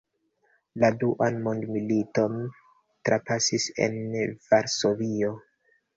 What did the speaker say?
La duan mondmiliton trapasis en Varsovio.